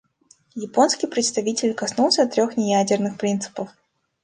Японский представитель коснулся трех неядерных принципов.